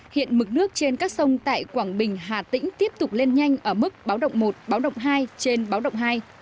hiện mực nước trên các sông tại quảng bình hà tĩnh tiếp tục lên nhanh ở mức báo động một báo động hai trên báo động hai